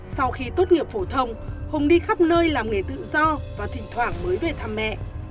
sau khi tốt nghiệp phổ thông hùng đi khắp nơi làm nghề tự do và thỉnh thoảng mới về thăm mẹ